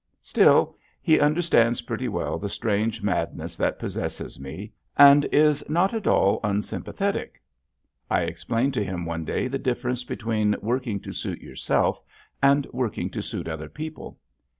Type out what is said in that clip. Still he understands pretty well the strange madness that possesses me, and is not at all unsympathetic. I explained to him one day the difference between working to suit yourself and working to suit other people.